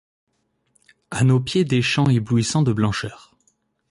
À nos pieds, des champs éblouissants de blancheur.